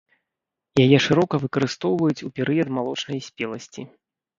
Яе шырока выкарыстоўваюць у перыяд малочнай спеласці.